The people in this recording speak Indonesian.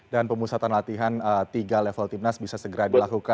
dan pemusatan latihan tiga level timnas bisa segera dilakukan